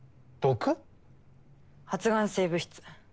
発がん性物質。